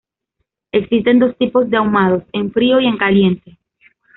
Existen dos tipos de ahumados: en frío y en caliente.